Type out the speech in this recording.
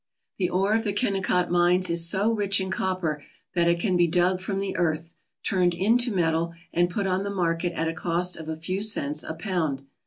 The ore of the Kennecott mines is so rich in copper that it can be dug from the earth, turned into metal, and put on the market at a cost of a few cents a pound.